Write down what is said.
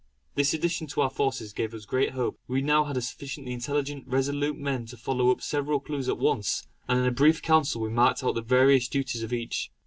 This addition to our forces gave us great hope. We had now a sufficiency of intelligent, resolute men to follow up several clues at once; and in a brief council we marked out the various duties of each.